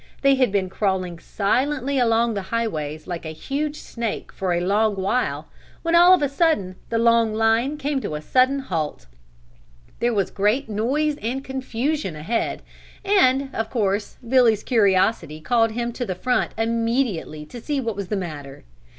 They had been crawling silently along the highways like a huge snake for a long while when all of a sudden the long line came to a sudden halt. There was great noise and confusion ahead and, of course, Billy's curiosity called him to the front immediately to see what was the matter.